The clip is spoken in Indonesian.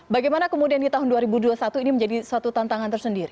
bagaimana kemudian di tahun dua ribu dua puluh satu ini menjadi suatu tantangan tersendiri